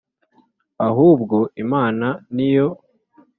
Ahubwo imana ni yo